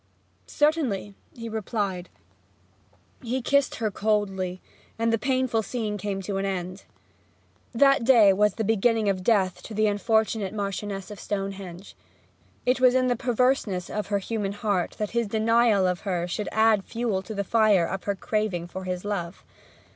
'Certainly,' he replied. He kissed her coldly, and the painful scene came to an end. That day was the beginning of death to the unfortunate Marchioness of Stonehenge. It was in the perverseness of her human heart that his denial of her should add fuel to the fire of her craving for his love.